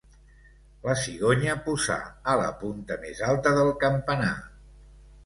La cigonya posà a la punta més alta del campanar.